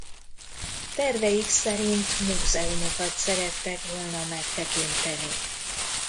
Terveik szerint múzeumokat szerettek volna megtekinteni.